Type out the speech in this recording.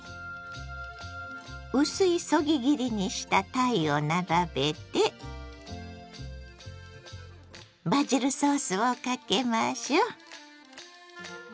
薄いそぎ切りにしたたいを並べてバジルソースをかけましょう！